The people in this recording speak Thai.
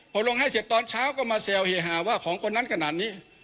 พอลงให้เสร็จตอนเช้าก็มาแซวเฮฮาว่าของคนนั้นขนาดนี้